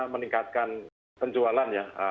meningkatkan penjualan ya